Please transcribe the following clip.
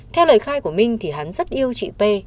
theo lời khai của minh thì hắn rất yêu chị p